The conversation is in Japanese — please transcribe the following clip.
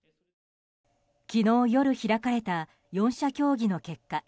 昨日夜、開かれた４者協議の結果